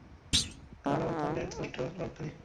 Canada বর্তমানে এর ষষ্ঠ বৃহত্তম রপ্তানি গন্তব্য।